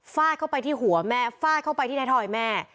เข้าไปที่หัวแม่ฟาดเข้าไปที่ไทยทอยแม่